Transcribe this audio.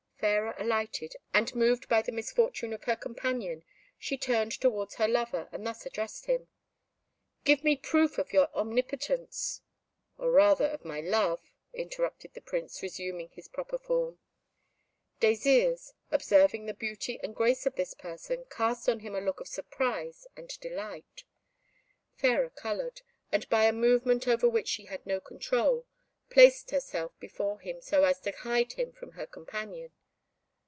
Fairer alighted, and, moved by the misfortune of her companion, she turned towards her lover, and thus addressed him, "Give me proof of your omnipotence." "Or rather of my love," interrupted the Prince, resuming his proper form. Désirs, observing the beauty and grace of his person, cast on him a look of surprise and delight. Fairer coloured, and by a movement over which she had no control, placed herself before him so as to hide him from her companion.